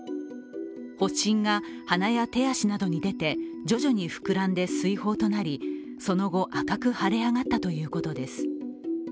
発疹や鼻や手足などに出て徐々に膨らんで水ほうとなりその後、赤く腫れ上がったということです。